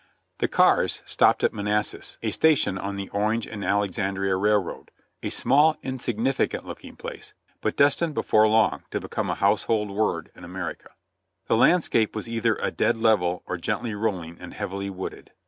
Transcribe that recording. The cars stopped at Manassas, a station on the Orange & Alex andria Raih oad, a small, insignificant looking place, but destined before long to become a household word in America. The landscape was either a dead level or gently rolling and heavily wooded.